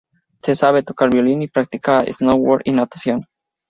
Sabe tocar el violín y practica snowboard y natación.